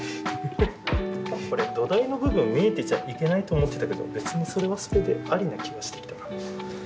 これ土台の部分見えてちゃいけないと思ってたけど別にそれはそれでありな気がしてきた。